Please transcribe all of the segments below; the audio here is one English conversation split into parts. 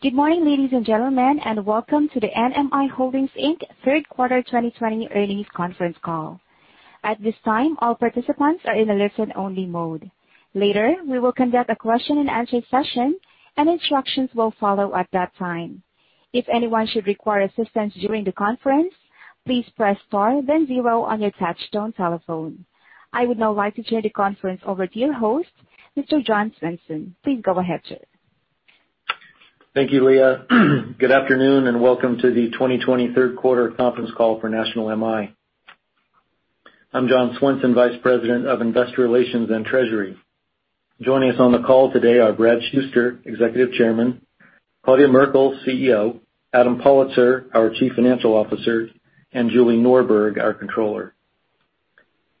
Good morning, ladies and gentlemen, and welcome to the NMI Holdings, Inc. third quarter 2020 earnings conference call. I would now like to turn the conference over to your host, Mr. John Swenson. Please go ahead, sir. Thank you, Leah. Good afternoon, and welcome to the 2020 third quarter conference call for National MI. I'm John Swenson, Vice President of Investor Relations and Treasury. Joining us on the call today are Bradley Shuster, Executive Chairman; Claudia Merkle, CEO; Adam Pollitzer, our Chief Financial Officer; and Julie Norberg, our Controller.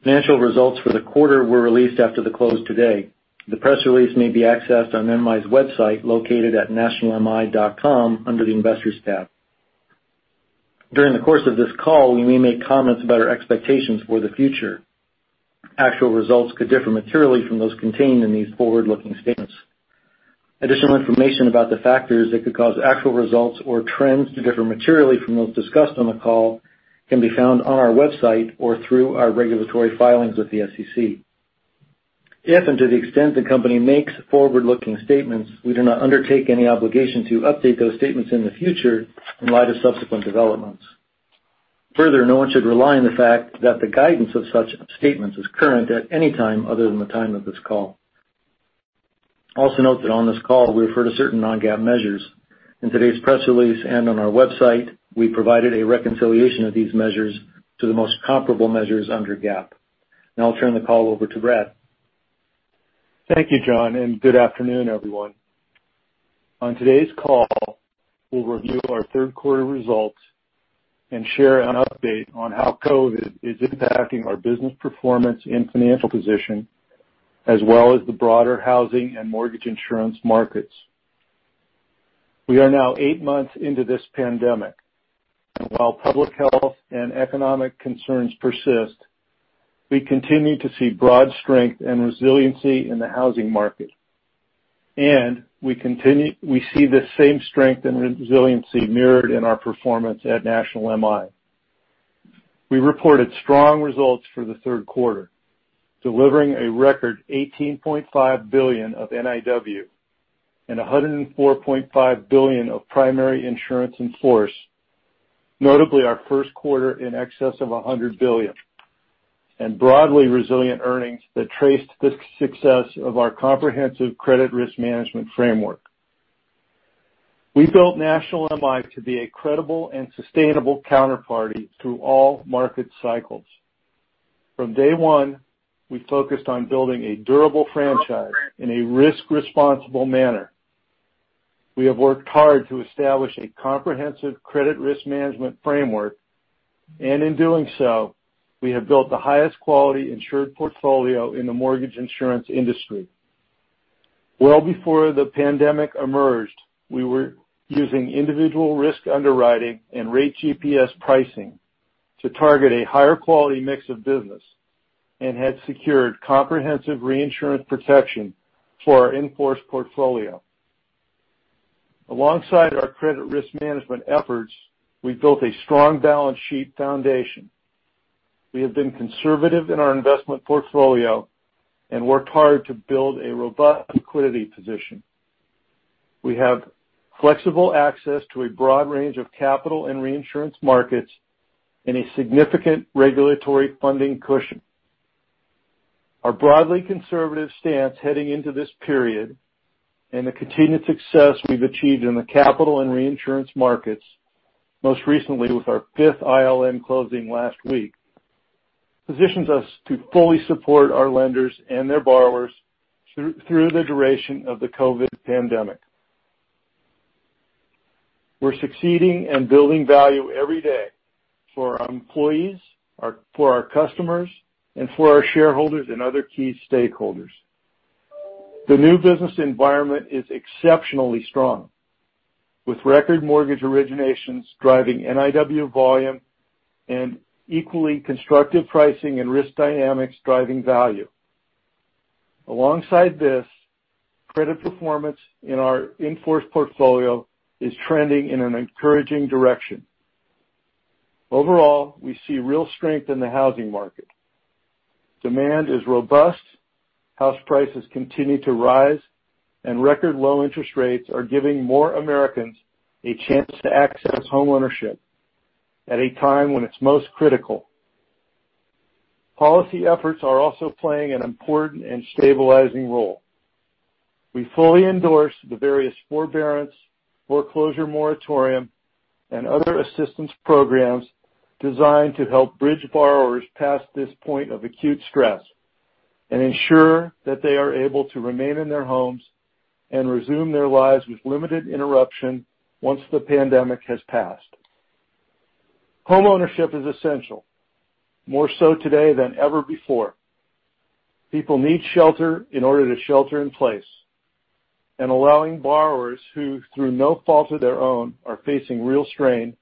Financial results for the quarter were released after the close today. The press release may be accessed on NMI's website, located at nationalmi.com, under the Investors tab. During the course of this call, we may make comments about our expectations for the future. Actual results could differ materially from those contained in these forward-looking statements. Additional information about the factors that could cause actual results or trends to differ materially from those discussed on the call can be found on our website or through our regulatory filings with the SEC. If and to the extent the company makes forward-looking statements, we do not undertake any obligation to update those statements in the future in light of subsequent developments. Further, no one should rely on the fact that the guidance of such statements is current at any time other than the time of this call. Also note that on this call, we refer to certain non-GAAP measures. In today's press release and on our website, we provided a reconciliation of these measures to the most comparable measures under GAAP. Now I'll turn the call over to Brad. Thank you, John. Good afternoon, everyone. On today's call, we'll review our third quarter results and share an update on how COVID is impacting our business performance and financial position, as well as the broader housing and mortgage insurance markets. We are now eight months into this pandemic. While public health and economic concerns persist, we continue to see broad strength and resiliency in the housing market. We see the same strength and resiliency mirrored in our performance at National MI. We reported strong results for the third quarter, delivering a record $18.5 billion of NIW and $104.5 billion of primary insurance in force, notably our first quarter in excess of $100 billion, and broadly resilient earnings that traced the success of our comprehensive credit risk management framework. We built National MI to be a credible and sustainable counterparty through all market cycles. From day one, we focused on building a durable franchise in a risk-responsible manner. We have worked hard to establish a comprehensive credit risk management framework, and in doing so, we have built the highest quality insured portfolio in the mortgage insurance industry. Well before the pandemic emerged, we were using individual risk underwriting and Rate GPS pricing to target a higher quality mix of business and had secured comprehensive re-insurance protection for our in-force portfolio. Alongside our credit risk management efforts, we've built a strong balance sheet foundation. We have been conservative in our investment portfolio and worked hard to build a robust liquidity position. We have flexible access to a broad range of capital and re-insurance markets and a significant regulatory funding cushion. Our broadly conservative stance heading into this period and the continued success we've achieved in the capital and re-insurance markets, most recently with our fifth ILN closing last week, positions us to fully support our lenders and their borrowers through the duration of the COVID pandemic. We're succeeding and building value every day for our employees, for our customers, and for our shareholders and other key stakeholders. The new business environment is exceptionally strong, with record mortgage originations driving NIW volume and equally constructive pricing and risk dynamics driving value. Alongside this, credit performance in our in-force portfolio is trending in an encouraging direction. Overall, we see real strength in the housing market. Demand is robust, house prices continue to rise, and record low interest rates are giving more Americans a chance to access homeownership at a time when it's most critical. Policy efforts are also playing an important and stabilizing role. We fully endorse the various forbearance, foreclosure moratorium, and other assistance programs designed to help bridge borrowers past this point of acute stress and ensure that they are able to remain in their homes and resume their lives with limited interruption once the pandemic has passed. Homeownership is essential, more so today than ever before. People need shelter in order to shelter in place. Allowing borrowers who, through no fault of their own, are facing real strain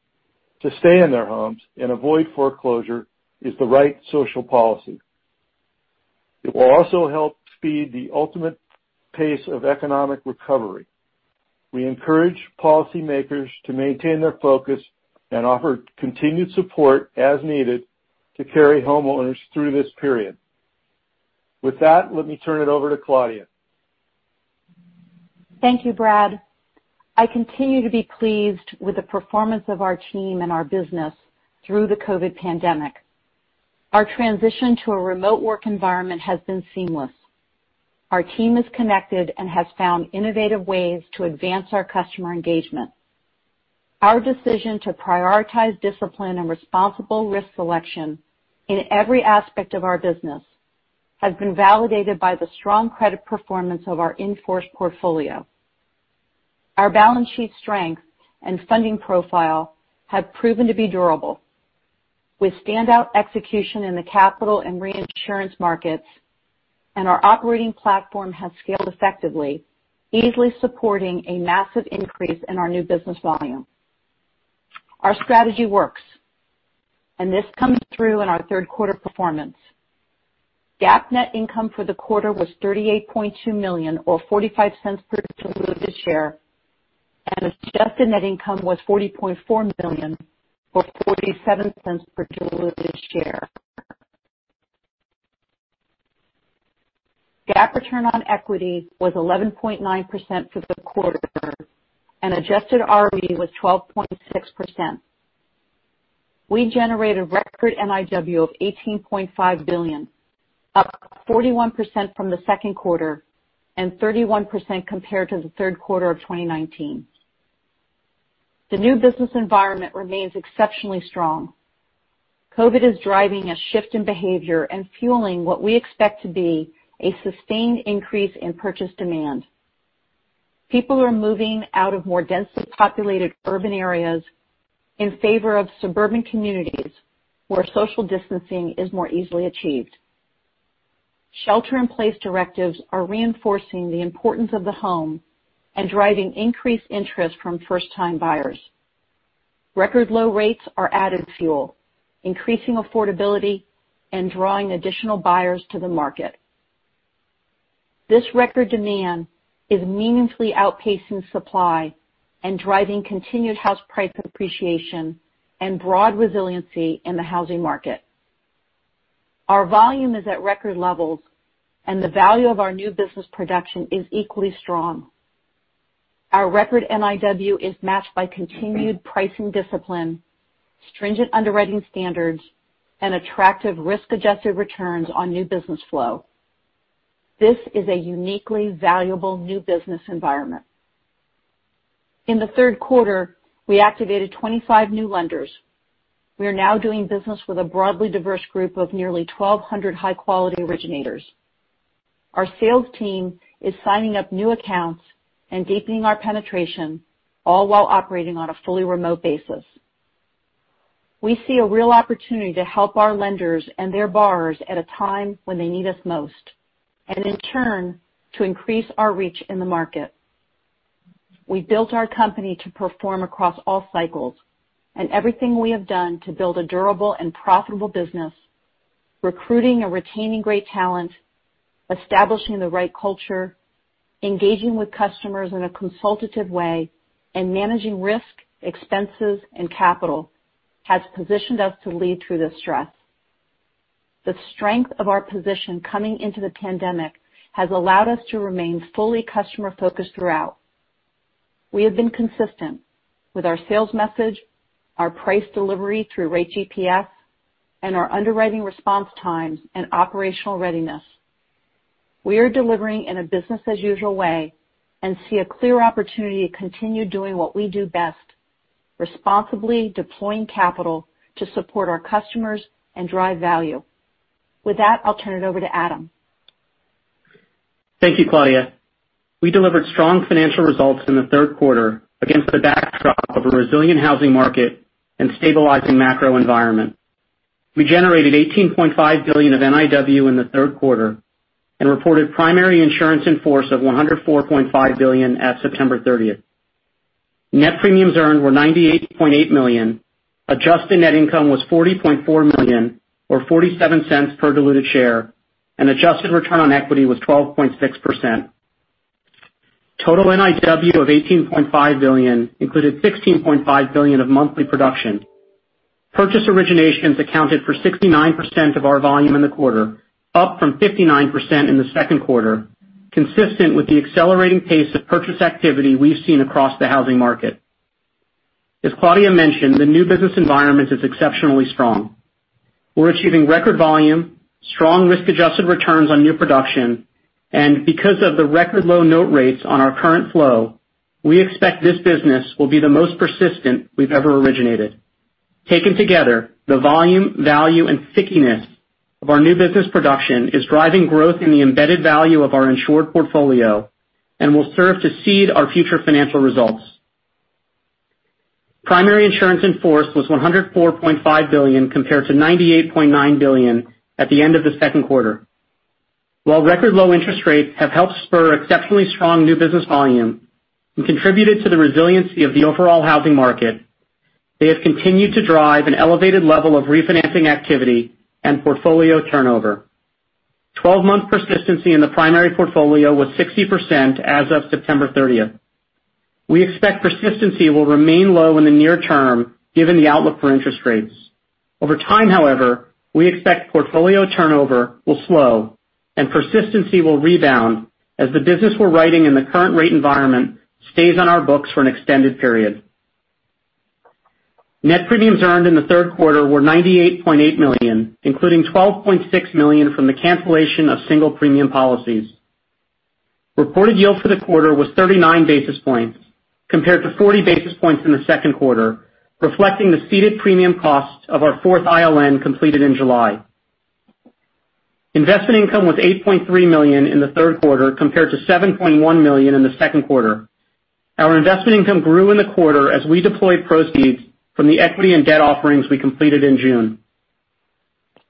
to stay in their homes and avoid foreclosure is the right social policy. It will also help speed the ultimate pace of economic recovery. We encourage policymakers to maintain their focus and offer continued support as needed to carry homeowners through this period. With that, let me turn it over to Claudia. Thank you, Brad. I continue to be pleased with the performance of our team and our business through the COVID pandemic. Our transition to a remote work environment has been seamless. Our team is connected and has found innovative ways to advance our customer engagement. Our decision to prioritize discipline and responsible risk selection in every aspect of our business has been validated by the strong credit performance of our in-force portfolio. Our balance sheet strength and funding profile have proven to be durable, with standout execution in the capital and reinsurance markets, and our operating platform has scaled effectively, easily supporting a massive increase in our new business volume. Our strategy works, and this comes through in our third quarter performance. GAAP net income for the quarter was $38.2 million, or $0.45 per diluted share, and adjusted net income was $40.4 million, or $0.47 per diluted share. GAAP return on equity was 11.9% for the quarter, and adjusted ROE was 12.6%. We generated record NIW of $18.5 billion, up 41% from the second quarter and 31% compared to the third quarter of 2019. The new business environment remains exceptionally strong. COVID is driving a shift in behavior and fueling what we expect to be a sustained increase in purchase demand. People are moving out of more densely populated urban areas in favor of suburban communities where social distancing is more easily achieved. Shelter-in-place directives are reinforcing the importance of the home and driving increased interest from first-time buyers. Record low rates are added fuel, increasing affordability and drawing additional buyers to the market. This record demand is meaningfully outpacing supply and driving continued house price appreciation and broad resiliency in the housing market. Our volume is at record levels, and the value of our new business production is equally strong. Our record NIW is matched by continued pricing discipline, stringent underwriting standards, and attractive risk-adjusted returns on new business flow. This is a uniquely valuable new business environment. In the third quarter, we activated 25 new lenders. We are now doing business with a broadly diverse group of nearly 1,200 high-quality originators. Our sales team is signing up new accounts and deepening our penetration, all while operating on a fully remote basis. We see a real opportunity to help our lenders and their borrowers at a time when they need us most and, in turn, to increase our reach in the market. We built our company to perform across all cycles, and everything we have done to build a durable and profitable business, recruiting and retaining great talent, establishing the right culture, engaging with customers in a consultative way, and managing risk, expenses, and capital has positioned us to lead through this stress. The strength of our position coming into the pandemic has allowed us to remain fully customer-focused throughout. We have been consistent with our sales message, our price delivery through Rate GPS, and our underwriting response times and operational readiness. We are delivering in a business-as-usual way and see a clear opportunity to continue doing what we do best, responsibly deploying capital to support our customers and drive value. With that, I'll turn it over to Adam. Thank you, Claudia. We delivered strong financial results in the third quarter against the backdrop of a resilient housing market and stabilizing macro environment. We generated $18.5 billion of NIW in the third quarter and reported primary insurance in force of $104.5 billion at September 30th. Net premiums earned were $98.8 million. Adjusted net income was $40.4 million, or $0.47 per diluted share, and adjusted return on equity was 12.6%. Total NIW of $18.5 billion included $16.5 billion of monthly production. Purchase originations accounted for 69% of our volume in the quarter, up from 59% in the second quarter, consistent with the accelerating pace of purchase activity we've seen across the housing market. As Claudia mentioned, the new business environment is exceptionally strong. We're achieving record volume, strong risk-adjusted returns on new production, and because of the record low note rates on our current flow, we expect this business will be the most persistent we've ever originated. Taken together, the volume, value, and stickiness of our new business production is driving growth in the embedded value of our insured portfolio and will serve to seed our future financial results. Primary insurance in force was $104.5 billion, compared to $98.9 billion at the end of the second quarter. While record low interest rates have helped spur exceptionally strong new business volume and contributed to the resiliency of the overall housing market. They have continued to drive an elevated level of refinancing activity and portfolio turnover. 12-month persistency in the primary portfolio was 60% as of September 30th. We expect persistency will remain low in the near term, given the outlook for interest rates. Over time, however, we expect portfolio turnover will slow and persistency will rebound as the business we're writing in the current rate environment stays on our books for an extended period. Net premiums earned in the third quarter were $98.8 million, including $12.6 million from the cancellation of single premium policies. Reported yield for the quarter was 39 basis points compared to 40 basis points in the second quarter, reflecting the ceded premium cost of our fourth ILN completed in July. Investment income was $8.3 million in the third quarter, compared to $7.1 million in the second quarter. Our investment income grew in the quarter as we deployed proceeds from the equity and debt offerings we completed in June.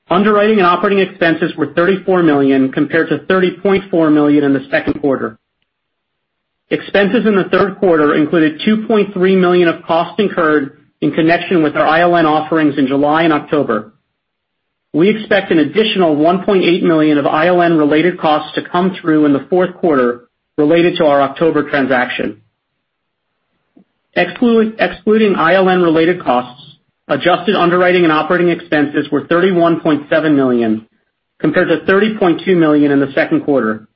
Underwriting and operating expenses were $34 million compared to $30.4 million in the second quarter. Expenses in the third quarter included $2.3 million of costs incurred in connection with our ILN offerings in July and October. We expect an additional $1.8 million of ILN-related costs to come through in the fourth quarter related to our October transaction. Excluding ILN-related costs, adjusted underwriting and operating expenses were $31.7 million, compared to $30.2 million in the second quarter.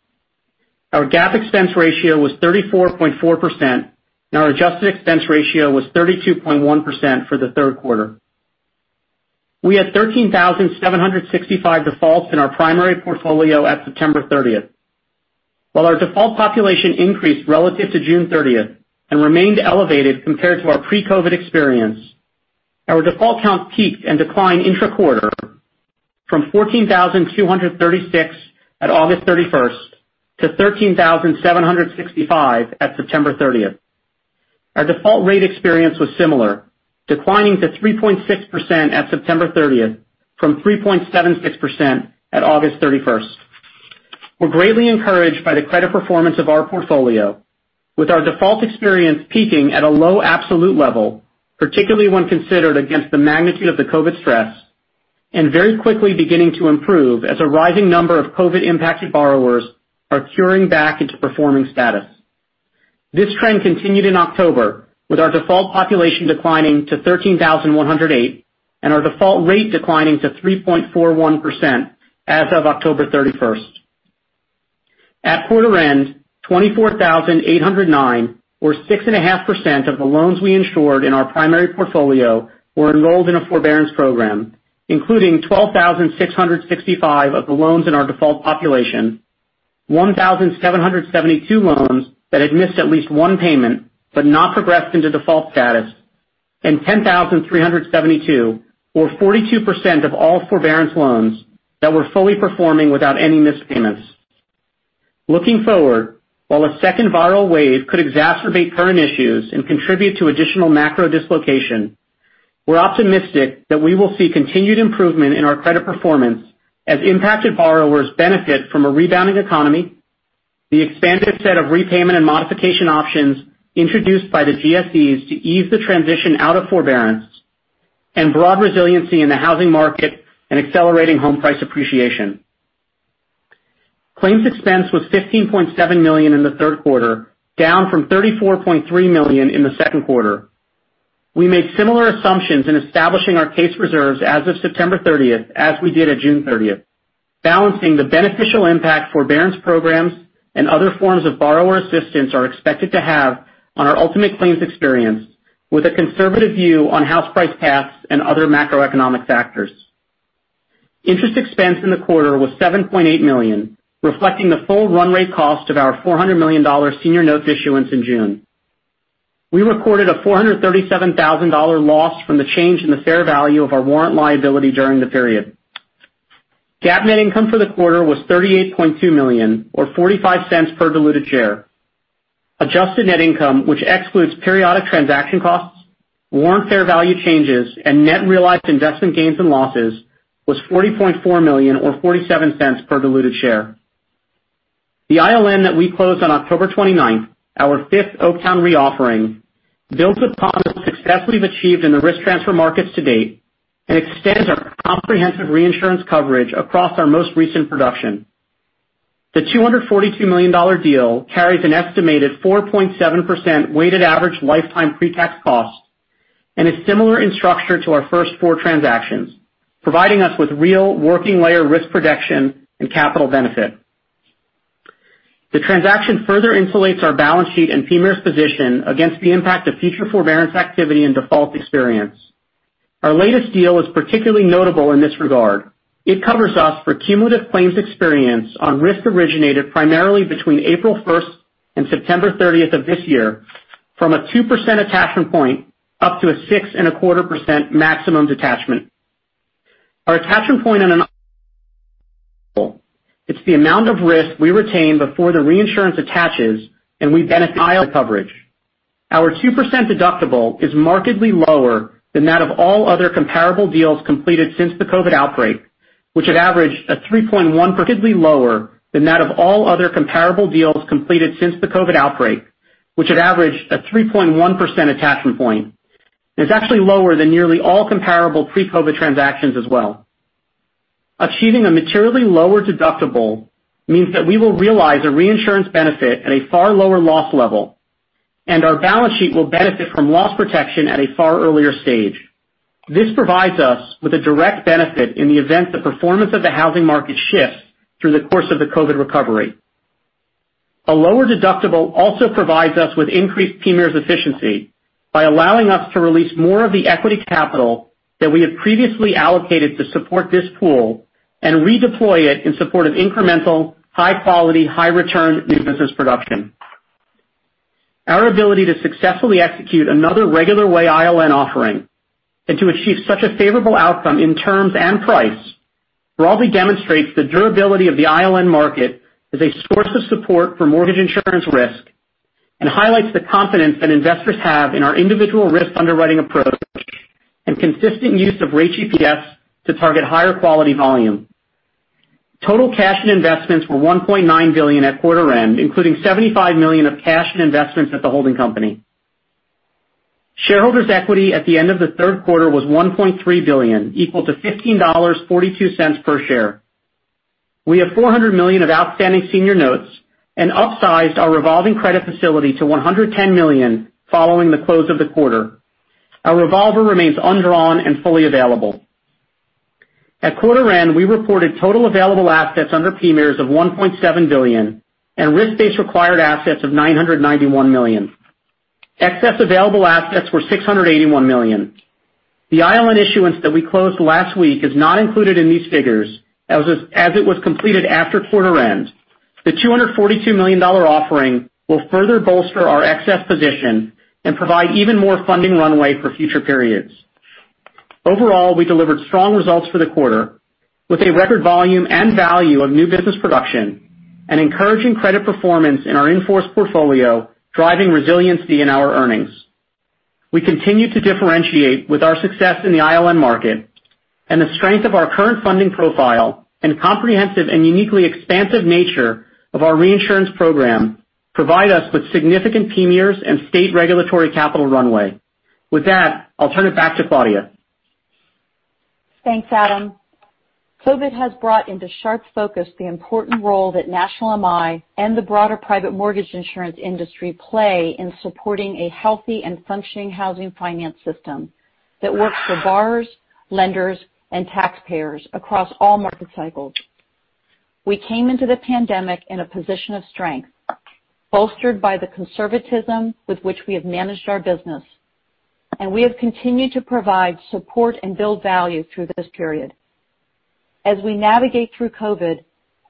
Our GAAP expense ratio was 34.4%, and our adjusted expense ratio was 32.1% for the third quarter. We had 13,765 defaults in our primary portfolio at September 30th. While our default population increased relative to June 30th and remained elevated compared to our pre-COVID experience, our default count peaked and declined intra-quarter from 14,236 at August 31st to 13,765 at September 30th. Our default rate experience was similar, declining to 3.6% at September 30th from 3.76% at August 31st. We're greatly encouraged by the credit performance of our portfolio with our default experience peaking at a low absolute level, particularly when considered against the magnitude of the COVID stress, and very quickly beginning to improve as a rising number of COVID-impacted borrowers are curing back into performing status. This trend continued in October, with our default population declining to 13,108 and our default rate declining to 3.41% as of October 31st. At quarter end, 24,809 or 6.5% of the loans we insured in our primary portfolio were enrolled in a forbearance program, including 12,665 of the loans in our default population, 1,772 loans that had missed at least one payment but not progressed into default status, and 10,372 or 42% of all forbearance loans that were fully performing without any missed payments. Looking forward, while a second viral wave could exacerbate current issues and contribute to additional macro dislocation, we're optimistic that we will see continued improvement in our credit performance as impacted borrowers benefit from a rebounding economy, the expanded set of repayment and modification options introduced by the GSEs to ease the transition out of forbearance, and broad resiliency in the housing market and accelerating home price appreciation. Claims expense was $15.7 million in the third quarter, down from $34.3 million in the second quarter. We made similar assumptions in establishing our case reserves as of September 30th as we did at June 30th, balancing the beneficial impact forbearance programs and other forms of borrower assistance are expected to have on our ultimate claims experience with a conservative view on house price paths and other macroeconomic factors. Interest expense in the quarter was $7.8 million, reflecting the full run rate cost of our $400 million senior notes issuance in June. We recorded a $437,000 loss from the change in the fair value of our warrant liability during the period. GAAP net income for the quarter was $38.2 million or $0.45 per diluted share. Adjusted net income, which excludes periodic transaction costs, warrant fair value changes, and net realized investment gains and losses, was $40.4 million or $0.47 per diluted share. The ILN that we closed on October 29th, our fifth Oaktown reoffering, builds upon the success we've achieved in the risk transfer markets to date and extends our comprehensive reinsurance coverage across our most recent production. The $242 million deal carries an estimated 4.7% weighted average lifetime pre-tax cost and is similar in structure to our first four transactions, providing us with real working layer risk protection and capital benefit. The transaction further insulates our balance sheet and PMIERs position against the impact of future forbearance activity and default experience. Our latest deal is particularly notable in this regard. It covers us for cumulative claims experience on risk originated primarily between April 1st and September 30th of this year from a 2% attachment point up to a 6.25% maximum detachment. Our attachment point is the amount of risk we retain before the reinsurance attaches, and we benefit coverage. Our 2% deductible is markedly lower than that of all other comparable deals completed since the COVID outbreak, which had averaged a 3.1% attachment point, and is actually lower than nearly all comparable pre-COVID transactions as well. Achieving a materially lower deductible means that we will realize a reinsurance benefit at a far lower loss level, and our balance sheet will benefit from loss protection at a far earlier stage. This provides us with a direct benefit in the event the performance of the housing market shifts through the course of the COVID recovery. A lower deductible also provides us with increased PMIERs efficiency by allowing us to release more of the equity capital that we had previously allocated to support this pool and redeploy it in support of incremental, high quality, high return new business production. Our ability to successfully execute another regular way ILN offering and to achieve such a favorable outcome in terms and price, broadly demonstrates the durability of the ILN market as a source of support for mortgage insurance risk and highlights the confidence that investors have in our individual risk underwriting approach and consistent use of Rate GPS to target higher quality volume. Total cash and investments were $1.9 billion at quarter end, including $75 million of cash and investments at the holding company. Shareholders' equity at the end of the third quarter was $1.3 billion, equal to $15.42 per share. We have $400 million of outstanding senior notes and upsized our revolving credit facility to $110 million following the close of the quarter. Our revolver remains undrawn and fully available. At quarter end, we reported total available assets under PMIERs of $1.7 billion and risk-based required assets of $991 million. Excess available assets were $681 million. The ILN issuance that we closed last week is not included in these figures, as it was completed after quarter end. The $242 million offering will further bolster our excess position and provide even more funding runway for future periods. Overall, we delivered strong results for the quarter with a record volume and value of new business production and encouraging credit performance in our in-force portfolio driving resiliency in our earnings. We continue to differentiate with our success in the ILN market. The strength of our current funding profile and comprehensive and uniquely expansive nature of our reinsurance program provide us with significant PMIERs and state regulatory capital runway. With that, I'll turn it back to Claudia. Thanks, Adam. COVID has brought into sharp focus the important role that National MI and the broader private mortgage insurance industry play in supporting a healthy and functioning housing finance system that works for borrowers, lenders, and taxpayers across all market cycles. We came into the pandemic in a position of strength, bolstered by the conservatism with which we have managed our business, and we have continued to provide support and build value through this period. As we navigate through COVID,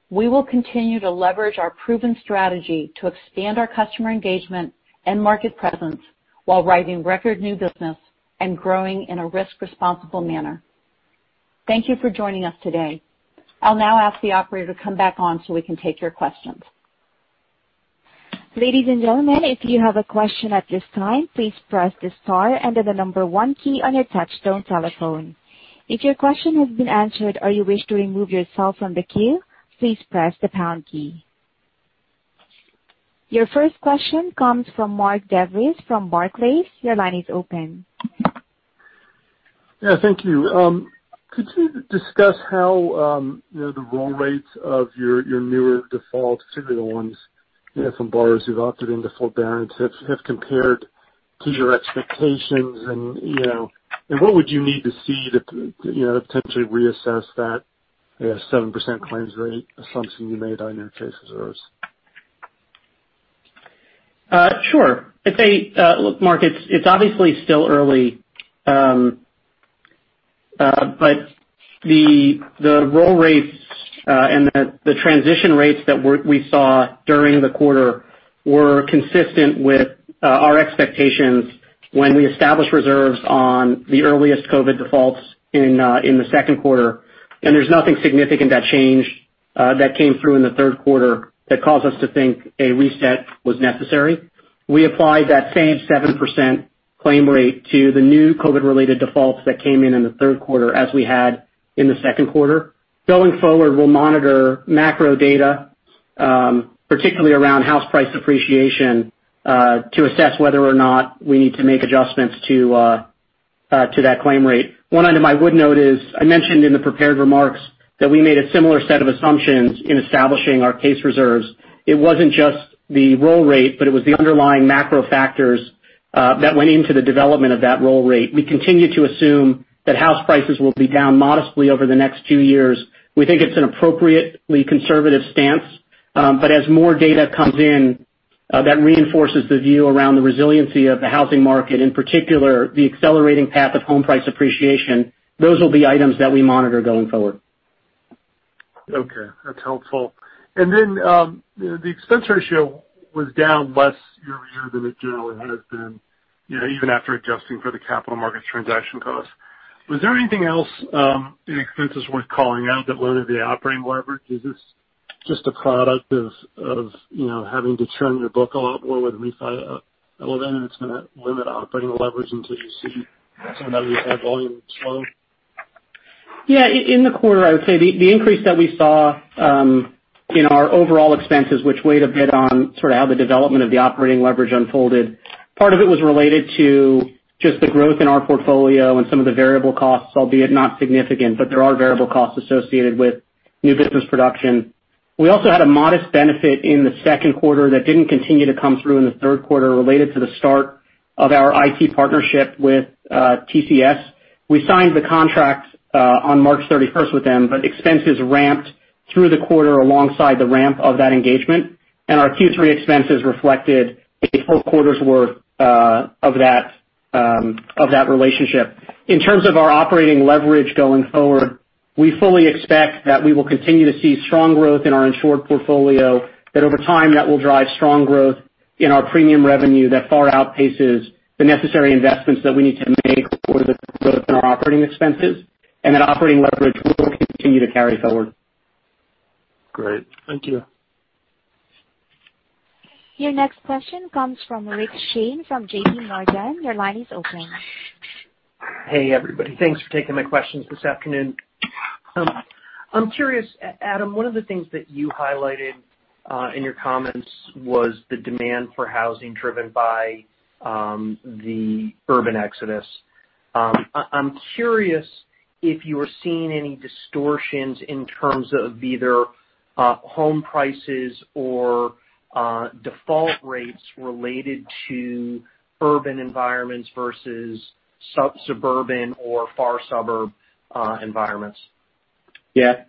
we will continue to leverage our proven strategy to expand our customer engagement and market presence while writing record new business and growing in a risk-responsible manner. Thank you for joining us today. I'll now ask the operator to come back on so we can take your questions. Your first question comes from Mark DeVries from Barclays. Your line is open. Yeah, thank you. Could you discuss how the roll rates of your newer defaults, particularly the ones from borrowers who've opted into forbearance, have compared to your expectations, and what would you need to see to potentially reassess that 7% claims rate assumption you made on your case reserves? Sure. Look, Mark, it's obviously still early, but the roll rates and the transition rates that we saw during the quarter were consistent with our expectations when we established reserves on the earliest COVID defaults in the second quarter. There's nothing significant that changed that came through in the third quarter that caused us to think a reset was necessary. We applied that same 7% claim rate to the new COVID-related defaults that came in in the third quarter, as we had in the second quarter. Going forward, we'll monitor macro data, particularly around house price appreciation, to assess whether or not we need to make adjustments to that claim rate. One item I would note is, I mentioned in the prepared remarks that we made a similar set of assumptions in establishing our case reserves. It wasn't just the roll rate, but it was the underlying macro factors that went into the development of that roll rate. We continue to assume that house prices will be down modestly over the next two years. We think it's an appropriately conservative stance. As more data comes in, that reinforces the view around the resiliency of the housing market, in particular, the accelerating path of home price appreciation. Those will be items that we monitor going forward. Okay. That's helpful. The expense ratio was down less year-over-year than it generally has been, even after adjusting for the capital market transaction costs. Was there anything else in expenses worth calling out that leveraged the operating leverage? Is it just a product of having to churn your book a lot more with refi of that, and it's going to limit operating leverage until you see some of these head volume slow? Yeah. In the quarter, I would say the increase that we saw in our overall expenses, which weighed a bit on sort of how the development of the operating leverage unfolded, part of it was related to just the growth in our portfolio and some of the variable costs, albeit not significant, but there are variable costs associated with new business production. We also had a modest benefit in the second quarter that didn't continue to come through in the third quarter related to the start of our IT partnership with TCS. We signed the contracts on March 31st with them. Expenses ramped through the quarter alongside the ramp of that engagement, and our Q3 expenses reflected a full quarter's worth of that relationship. In terms of our operating leverage going forward, we fully expect that we will continue to see strong growth in our insured portfolio, that over time, that will drive strong growth in our premium revenue that far outpaces the necessary investments that we need to make for the growth in our operating expenses. That operating leverage will continue to carry forward. Great. Thank you. Your next question comes from Rick Shane from JPMorgan. Your line is open. Hey, everybody. Thanks for taking my questions this afternoon. I'm curious, Adam, one of the things that you highlighted, in your comments was the demand for housing driven by the urban exodus. I'm curious if you are seeing any distortions in terms of either home prices or default rates related to urban environments versus suburban or far suburb environments. Yeah.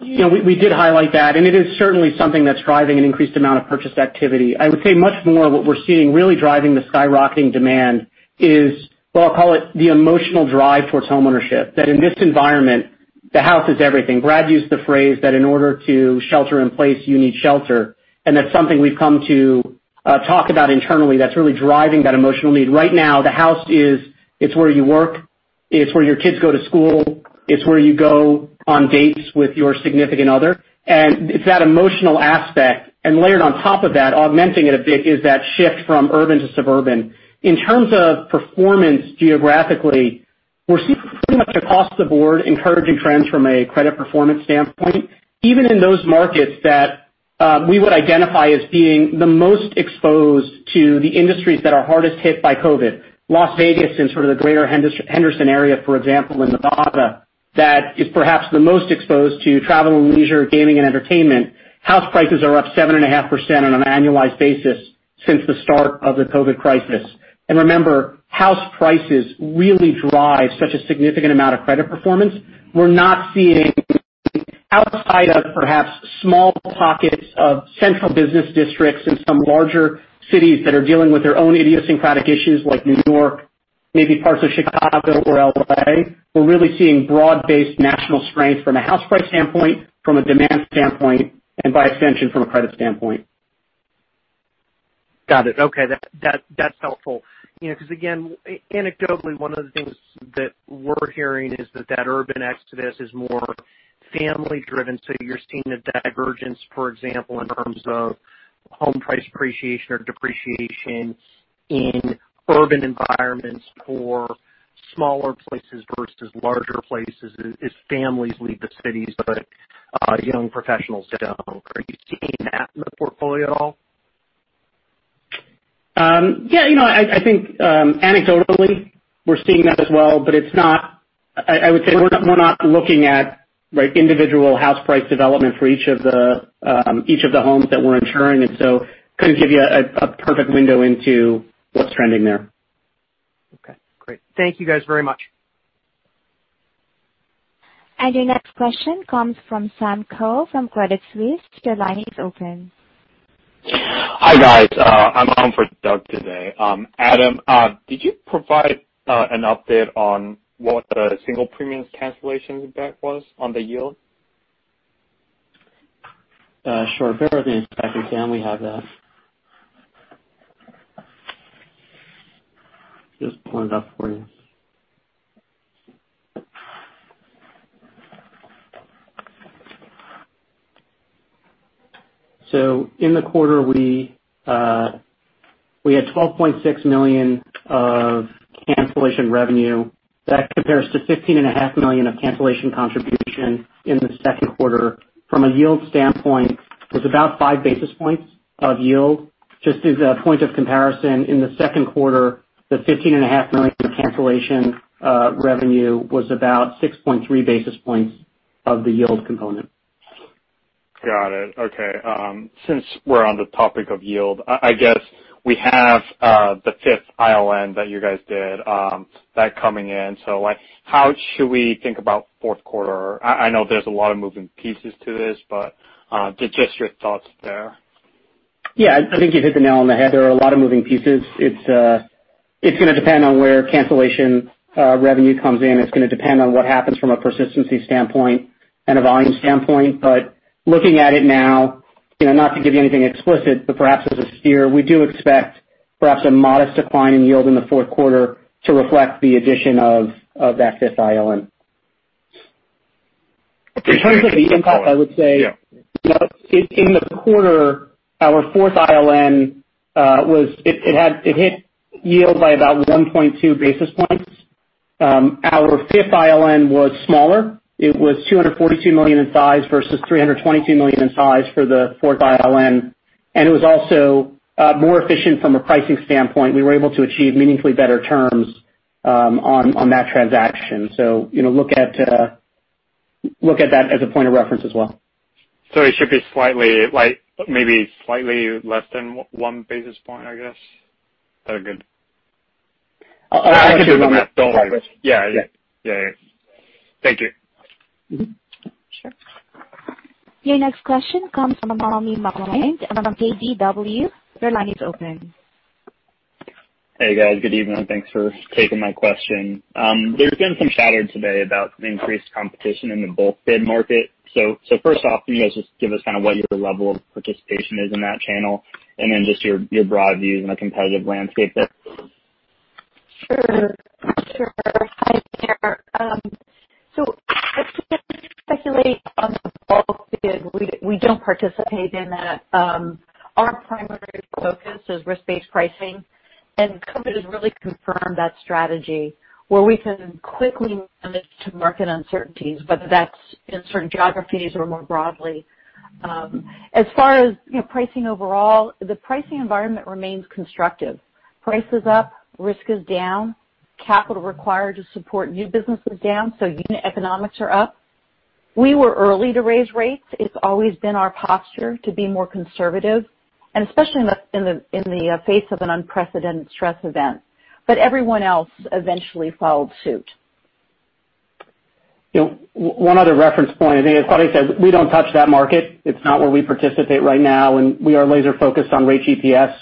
We did highlight that, it is certainly something that's driving an increased amount of purchase activity. I would say much more what we're seeing really driving the skyrocketing demand is, well, I'll call it the emotional drive towards homeownership, that in this environment, the house is everything. Brad used the phrase that in order to shelter in place, you need shelter. That's something we've come to talk about internally that's really driving that emotional need. Right now, the house is, it's where you work, it's where your kids go to school, it's where you go on dates with your significant other. It's that emotional aspect. Layered on top of that, augmenting it a bit, is that shift from urban to suburban. In terms of performance geographically, we're seeing pretty much across the board encouraging trends from a credit performance standpoint, even in those markets that we would identify as being the most exposed to the industries that are hardest hit by COVID. Las Vegas in sort of the greater Henderson area, for example, in Nevada, that is perhaps the most exposed to travel and leisure, gaming and entertainment. House prices are up 7.5% on an annualized basis since the start of the COVID crisis. Remember, house prices really drive such a significant amount of credit performance. We're not seeing outside of perhaps small pockets of central business districts in some larger cities that are dealing with their own idiosyncratic issues like New York, maybe parts of Chicago or L.A. We're really seeing broad-based national strength from a house price standpoint, from a demand standpoint, and by extension, from a credit standpoint. Got it. Okay. That's helpful because again, anecdotally, one of the things that we're hearing is that that urban exodus is more family driven. You're seeing a divergence, for example, in terms of home price appreciation or depreciation in urban environments for smaller places versus larger places as families leave the cities, but young professionals don't. Are you seeing that in the portfolio at all? Yeah. I think anecdotally, we're seeing that as well, but I would say we're not looking at individual house price development for each of the homes that we're insuring. Couldn't give you a perfect window into what's trending there. Okay, great. Thank you guys very much. Your next question comes from Sam Choe from Credit Suisse. Your line is open. Hi, guys. I'm on for Doug today. Adam, did you provide an update on what the single premiums cancellation impact was on the yield? Sure. Bear with me a second. We have that. Just pulling it up for you. In the quarter, we had $12.6 million of cancellation revenue. That compares to $15.5 million of cancellation contribution in the second quarter. From a yield standpoint, was about five basis points of yield. Just as a point of comparison, in the second quarter, the $15.5 million of cancellation revenue was about 6.3 basis points of the yield component. Got it. Okay. Since we're on the topic of yield, I guess we have the fifth ILN that you guys did, that coming in. How should we think about fourth quarter? I know there's a lot of moving pieces to this, but just your thoughts there. Yeah. I think you've hit the nail on the head. There are a lot of moving pieces. It's going to depend on where cancellation revenue comes in. It's going to depend on what happens from a persistency standpoint and a volume standpoint. Looking at it now. Not to give you anything explicit, but perhaps as a steer, we do expect perhaps a modest decline in yield in the fourth quarter to reflect the addition of that fifth ILN. In terms of the impact, I would say. Yeah in the quarter, our fourth ILN, it hit yield by about 1.2 basis points. Our fifth ILN was smaller. It was $242 million in size versus $322 million in size for the fourth ILN, and it was also more efficient from a pricing standpoint. We were able to achieve meaningfully better terms on that transaction. Look at that as a point of reference as well. It should be maybe slightly less than one basis point, I guess? Is that a good. I could do- Yeah. Thank you. Sure. Your next question comes from NMI KBW. Your line is open. Hey, guys. Good evening. Thanks for taking my question. There's been some chatter today about the increased competition in the bulk bid market. First off, can you guys just give us kind of what your level of participation is in that channel, and then just your broad views on the competitive landscape there? Sure. Hi there. I can't speculate on the bulk bid. We don't participate in that. Our primary focus is risk-based pricing, and COVID has really confirmed that strategy where we can quickly manage to market uncertainties, whether that's in certain geographies or more broadly. As far as pricing overall, the pricing environment remains constructive. Price is up, risk is down, capital required to support new business is down, so unit economics are up. We were early to raise rates. It's always been our posture to be more conservative, and especially in the face of an unprecedented stress event. Everyone else eventually followed suit. One other reference point. I think as Claudia says, we don't touch that market. It's not where we participate right now, and we are laser-focused on Rate GPS.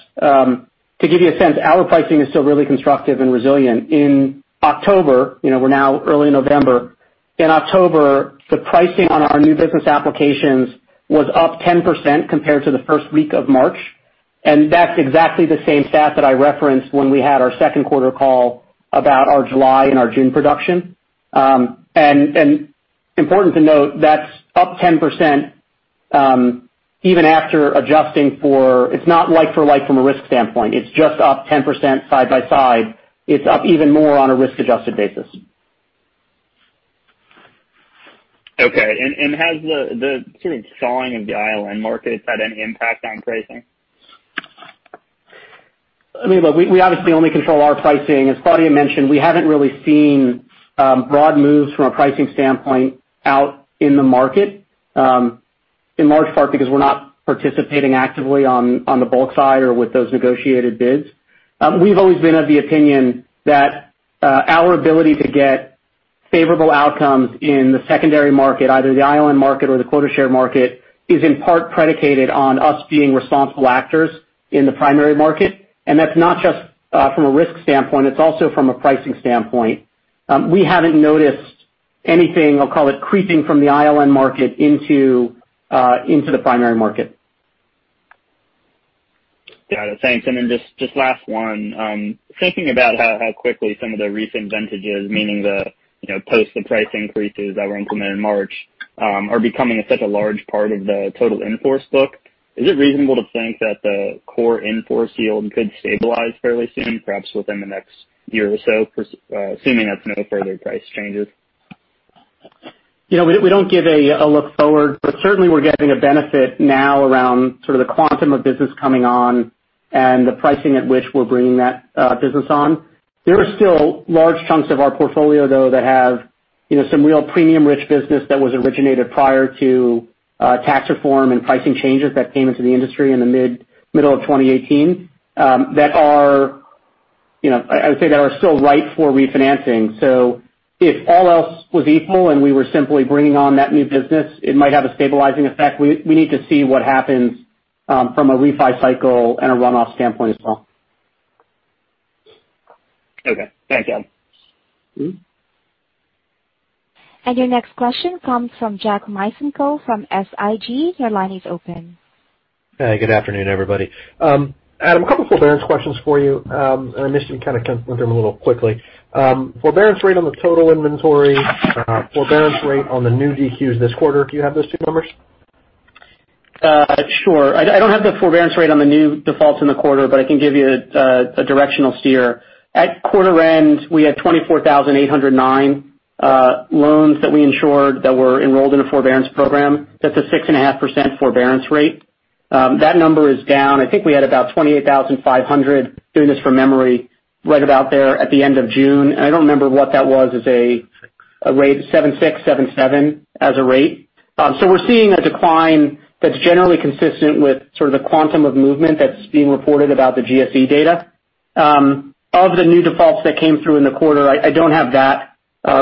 To give you a sense, our pricing is still really constructive and resilient. In October, we're now early November. In October, the pricing on our new business applications was up 10% compared to the first week of March, and that's exactly the same stat that I referenced when we had our second quarter call about our July and our June production. And important to note, that's up 10% even after adjusting for it's not like for like from a risk standpoint. It's just up 10% side by side. It's up even more on a risk-adjusted basis. Okay. Has the sort of thawing of the ILN market had any impact on pricing? I mean, look, we obviously only control our pricing. As Claudia mentioned, we haven't really seen broad moves from a pricing standpoint out in the market, in large part because we're not participating actively on the bulk side or with those negotiated bids. We've always been of the opinion that our ability to get favorable outcomes in the secondary market, either the ILN market or the quota share market, is in part predicated on us being responsible actors in the primary market. That's not just from a risk standpoint, it's also from a pricing standpoint. We haven't noticed anything, I'll call it, creeping from the ILN market into the primary market. Got it. Thanks. Just last one. Thinking about how quickly some of the recent vintages, meaning the post the price increases that were implemented in March, are becoming such a large part of the total in-force book, is it reasonable to think that the core in-force yield could stabilize fairly soon, perhaps within the next year or so, assuming there's no further price changes? We don't give a look forward, but certainly we're getting a benefit now around sort of the quantum of business coming on and the pricing at which we're bringing that business on. There are still large chunks of our portfolio, though, that have some real premium-rich business that was originated prior to tax reform and pricing changes that came into the industry in the middle of 2018 that are still ripe for refinancing. If all else was equal and we were simply bringing on that new business, it might have a stabilizing effect. We need to see what happens from a refi cycle and a runoff standpoint as well. Okay. Thanks, Adam. Your next question comes from Jack Micenko from SIG. Your line is open. Hey, good afternoon, everybody. Adam, a couple forbearance questions for you. I wish you kind of went through them a little quickly. Forbearance rate on the total inventory, forbearance rate on the new DQs this quarter. Do you have those two numbers? Sure. I don't have the forbearance rate on the new defaults in the quarter. I can give you a directional steer. At quarter end, we had 24,809 loans that we insured that were enrolled in a forbearance program. That's a 6.5% forbearance rate. That number is down. I think we had about 28,500, doing this from memory, right about there at the end of June. I don't remember what that was as a rate, 76%, 77% as a rate. We're seeing a decline that's generally consistent with sort of the quantum of movement that's being reported about the GSE data. Of the new defaults that came through in the quarter, I don't have that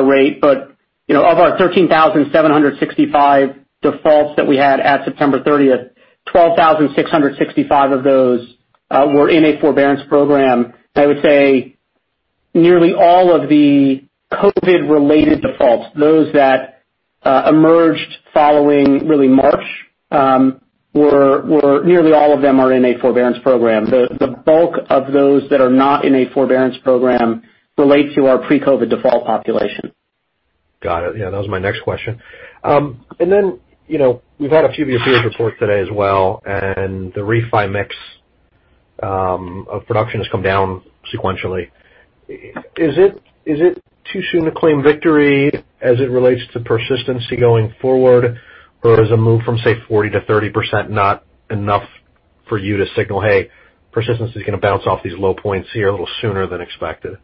rate, but of our 13,765 defaults that we had at September 30th, 12,665 of those were in a forbearance program. Nearly all of the COVID-related defaults, those that emerged following really March, nearly all of them are in a forbearance program. The bulk of those that are not in a forbearance program relate to our pre-COVID default population. Got it. Yeah, that was my next question. We've had a few of your peers report today as well, and the refi mix of production has come down sequentially. Is it too soon to claim victory as it relates to persistency going forward? Or is a move from, say, 40% to 30% not enough for you to signal, "Hey, persistency's going to bounce off these low points here a little sooner than expected"?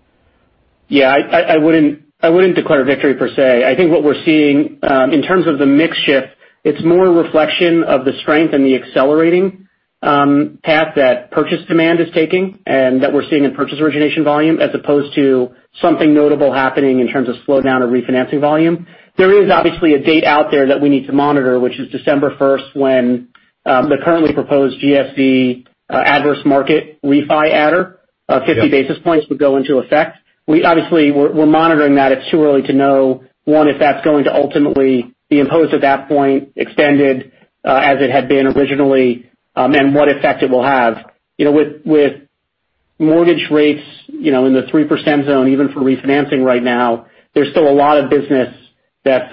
Yeah. I wouldn't declare victory per se. I think what we're seeing, in terms of the mix shift, it's more a reflection of the strength and the accelerating path that purchase demand is taking and that we're seeing in purchase origination volume as opposed to something notable happening in terms of slowdown of refinancing volume. There is obviously a date out there that we need to monitor, which is December 1st, when the currently proposed GSE adverse market refi adder of 50 basis points would go into effect. Obviously, we're monitoring that. It's too early to know, one, if that's going to ultimately be imposed at that point, extended as it had been originally, and what effect it will have. With mortgage rates in the 3% zone, even for refinancing right now, there's still a lot of business that's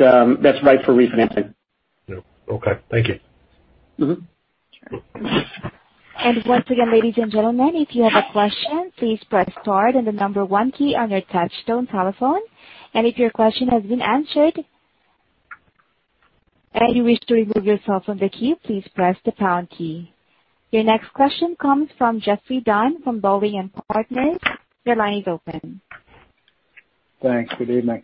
ripe for refinancing. Yep. Okay. Thank you. Sure. Once again, ladies and gentlemen, if you have a question, please press star then the number one key on your touchtone telephone. If your question has been answered and you wish to remove yourself from the queue, please press the pound key. Your next question comes from Geoffrey Dunn from Dowling & Partners. Your line is open. Thanks. Good evening.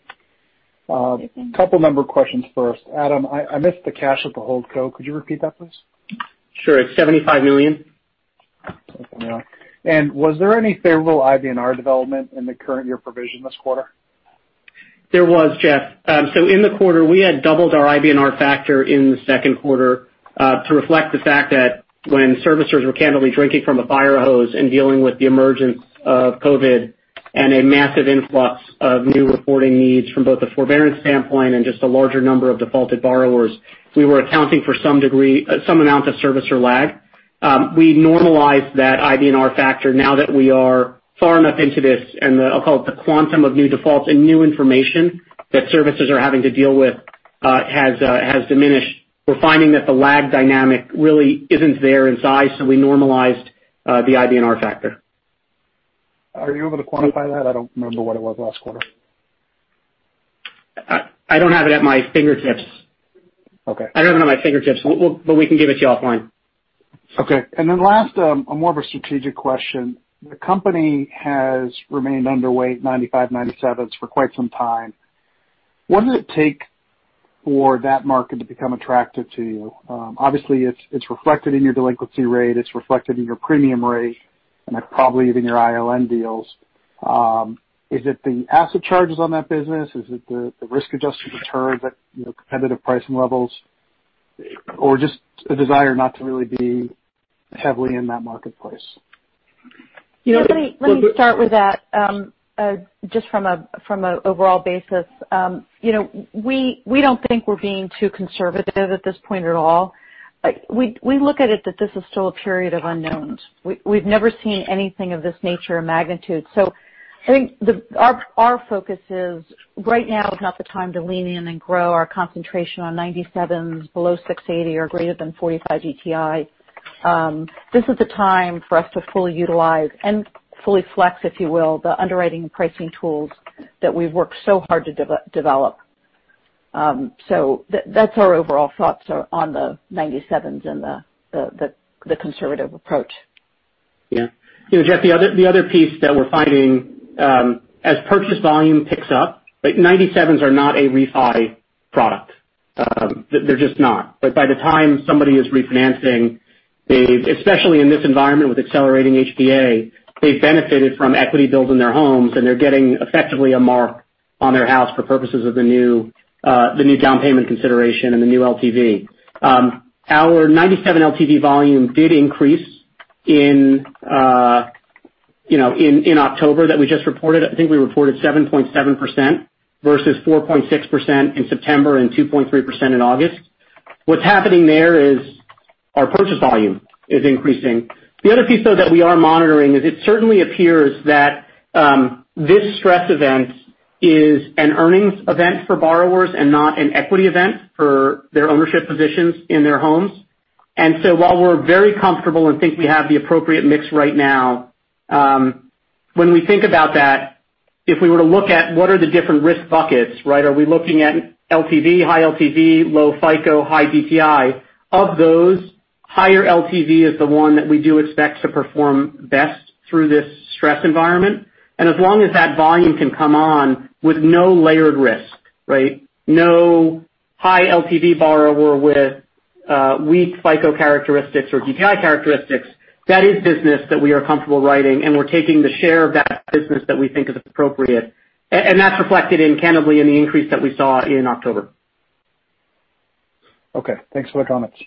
Couple number questions first. Adam, I missed the cash at the holdco. Could you repeat that, please? Sure. It's $75 million. Okay. Was there any favorable IBNR development in the current year provision this quarter? There was, Geoff. In the quarter, we had doubled our IBNR factor in the second quarter, to reflect the fact that when servicers were candidly drinking from a fire hose and dealing with the emergence of COVID and a massive influx of new reporting needs from both a forbearance standpoint and just a larger number of defaulted borrowers, we were accounting for some amount of servicer lag. We normalized that IBNR factor now that we are far enough into this and the, I'll call it, the quantum of new defaults and new information that servicers are having to deal with has diminished. We're finding that the lag dynamic really isn't there in size, so we normalized the IBNR factor. Are you able to quantify that? I don't remember what it was last quarter. I don't have it at my fingertips. Okay. I don't have it at my fingertips. We can give it to you offline. Okay. Last, a more of a strategic question. The company has remained underweight 95, 97s for quite some time. What does it take for that market to become attractive to you? Obviously, it's reflected in your delinquency rate, it's reflected in your premium rate, and probably even your ILN deals. Is it the asset charges on that business? Is it the risk-adjusted return that competitive pricing levels, or just a desire not to really be heavily in that marketplace? Let me start with that. Just from a overall basis. We don't think we're being too conservative at this point at all. We look at it that this is still a period of unknowns. We've never seen anything of this nature and magnitude. I think our focus is right now is not the time to lean in and grow our concentration on 97s below 680 or greater than 45 DTI. This is the time for us to fully utilize and fully flex, if you will, the underwriting and pricing tools that we've worked so hard to develop. That's our overall thoughts on the 97s and the conservative approach. Yeah. Geoff, the other piece that we're finding, as purchase volume picks up, 97s are not a refi product. They're just not. By the time somebody is refinancing, especially in this environment with accelerating HPA, they've benefited from equity build in their homes, and they're getting effectively a mark on their house for purposes of the new down payment consideration and the new LTV. Our 97 LTV volume did increase in October that we just reported. I think we reported 7.7% versus 4.6% in September and 2.3% in August. What's happening there is our purchase volume is increasing. The other piece, though, that we are monitoring is it certainly appears that this stress event is an earnings event for borrowers and not an equity event for their ownership positions in their homes. While we're very comfortable and think we have the appropriate mix right now, when we think about that, if we were to look at what are the different risk buckets, right? Are we looking at LTV, high LTV, low FICO, high DTI? Of those, higher LTV is the one that we do expect to perform best through this stress environment. As long as that volume can come on with no layered risk, right? No high LTV borrower with weak FICO characteristics or DTI characteristics. That is business that we are comfortable writing, and we're taking the share of that business that we think is appropriate. That's reflected candidly in the increase that we saw in October. Okay. Thanks for the comments.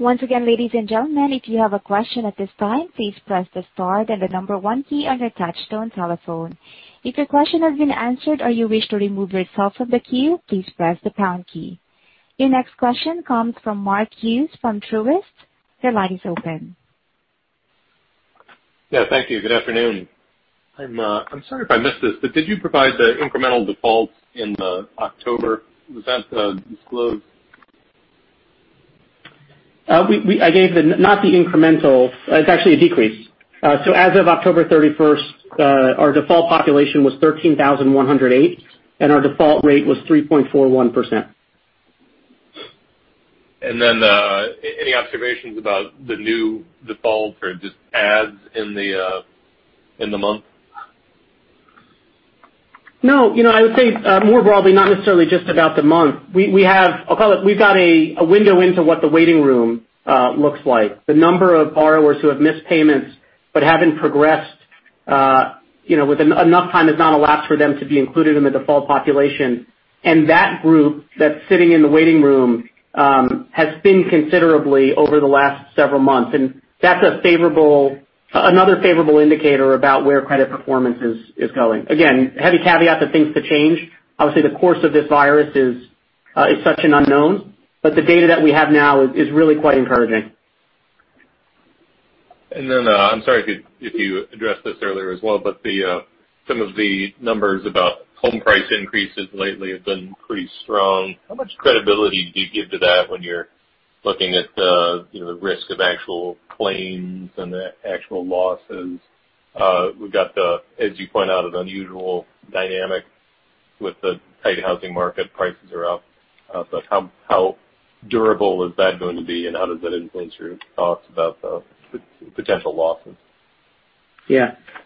Once again, ladies and gentlemen, if you have a question at this time, please press the star then the number one key on your touch-tone telephone. If your question has been answered or you wish to remove yourself from the queue, please press the pound key. Your next question comes from Mark Hughes from Truist. Your line is open. Yeah. Thank you. Good afternoon. I'm sorry if I missed this, but did you provide the incremental defaults in October? Was that disclosed? I gave not the incremental. It's actually a decrease. As of October 31st, our default population was 13,108, and our default rate was 3.41%. Any observations about the new default or just adds in the month? No. I would say more broadly, not necessarily just about the month. We've got a window into what the waiting room looks like. The number of borrowers who have missed payments but haven't progressed, enough time has not elapsed for them to be included in the default population. That group that's sitting in the waiting room has been considerably over the last several months, and that's another favorable indicator about where credit performance is going. Again, heavy caveat that things could change. Obviously, the course of this virus is such an unknown, but the data that we have now is really quite encouraging. I'm sorry if you addressed this earlier as well, but some of the numbers about home price increases lately have been pretty strong. How much credibility do you give to that when you're looking at the risk of actual claims and the actual losses? We've got the, as you point out, an unusual dynamic with the tight housing market prices are up. How durable is that going to be, and how does that influence your thoughts about the potential losses?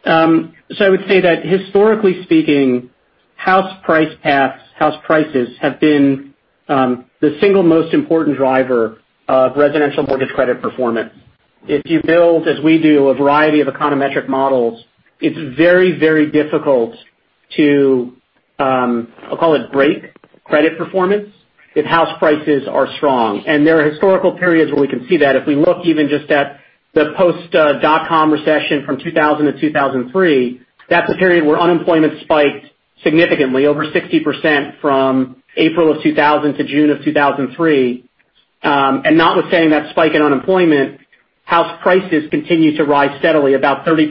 I would say that historically speaking, house price paths, house prices have been the single most important driver of residential mortgage credit performance. If you build, as we do, a variety of econometric models, it's very, very difficult to, I'll call it break credit performance if house prices are strong. There are historical periods where we can see that. If we look even just at the post dot-com recession from 2000-2003. That's a period where unemployment spiked significantly over 60% from April of 2000 to June of 2003. Notwithstanding that spike in unemployment, house prices continued to rise steadily, about 30%,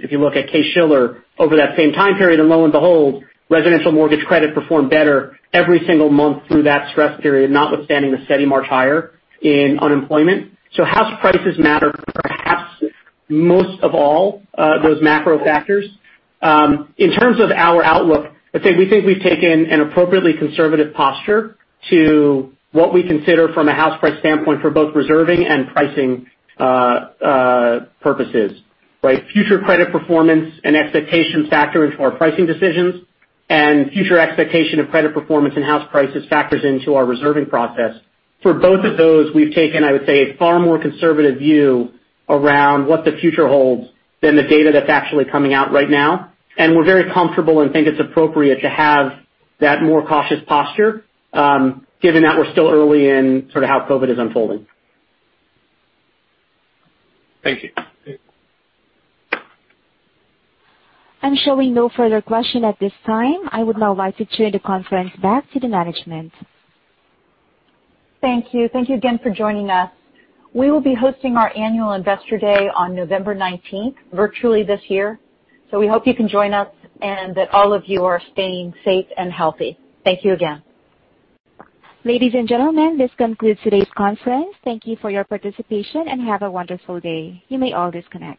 if you look at Case-Shiller over that same time period. Lo and behold, residential mortgage credit performed better every single month through that stress period, notwithstanding the steady march higher in unemployment. House prices matter perhaps most of all those macro factors. In terms of our outlook, I'd say we think we've taken an appropriately conservative posture to what we consider from a house price standpoint for both reserving and pricing purposes. Future credit performance and expectation factor into our pricing decisions, and future expectation of credit performance and house prices factors into our reserving process. For both of those, we've taken, I would say, a far more conservative view around what the future holds than the data that's actually coming out right now, and we're very comfortable and think it's appropriate to have that more cautious posture given that we're still early in how COVID is unfolding. Thank you. Showing no further question at this time, I would now like to turn the conference back to the management. Thank you. Thank you again for joining us. We will be hosting our annual investor day on November 19th, virtually this year. We hope you can join us and that all of you are staying safe and healthy. Thank you again. Ladies and gentlemen, this concludes today's conference. Thank you for your participation, and have a wonderful day. You may all disconnect.